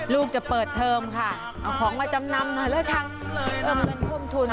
ลูกจะเปิดเทิมค่ะเอาของมาจำนำมาเลยค่ะเอาเงินควบทุน